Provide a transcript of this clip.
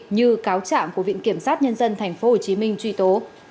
như cáo trạng của viện kiểm sát nhân dân tp hcm truy tố